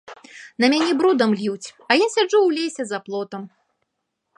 На мяне брудам льюць, я сяджу ў лесе за плотам.